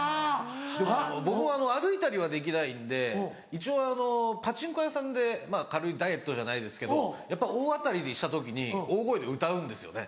でも僕も歩いたりはできないんで一応パチンコ屋さんで軽いダイエットじゃないですけどやっぱ大当たりした時に大声で歌うんですよね。